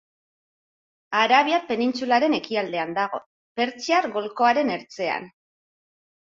Arabiar penintsularen ekialdean dago, Pertsiar golkoaren ertzean.